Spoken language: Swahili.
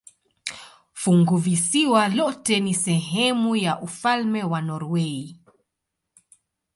Funguvisiwa lote ni sehemu ya ufalme wa Norwei.